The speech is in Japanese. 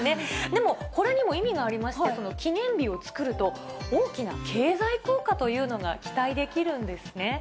でも、これにも意味がありまして、記念日を作ると、大きな経済効果というのが期待できるんですね。